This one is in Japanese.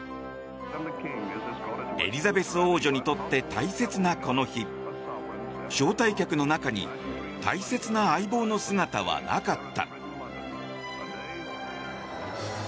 エリザベス王女にとって大切なこの日招待客の中に大切な相棒の姿はなかった。